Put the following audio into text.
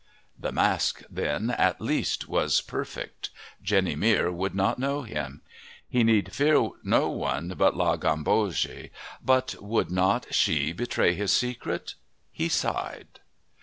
The mask, then, at least, was perfect. Jenny Mere would not know him. He need fear no one but La Gambogi. But would not she betray his secret? He sighed.